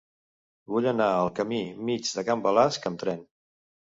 Vull anar al camí Mig de Can Balasc amb tren.